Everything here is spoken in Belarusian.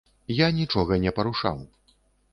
Я нічога не парушаў.